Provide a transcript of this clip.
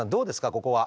ここは。